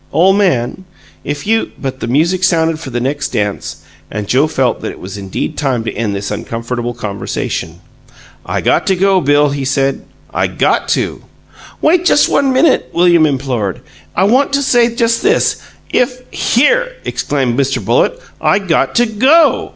Ole man, if you " But the music sounded for the next dance, and Joe felt that it was indeed time to end this uncomfortable conversation. "I got to go, Bill," he said. "I GOT to!" "Wait just one minute," William implored. "I want to say just this: if " "Here!" exclaimed Mr. Bullitt. "I got to GO!"